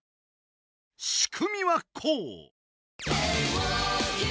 し組みはこう！